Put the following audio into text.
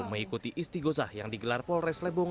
mengikuti istigosah yang digelar polres lebong